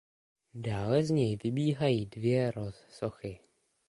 Dále z něj vybíhají dvě rozsochy.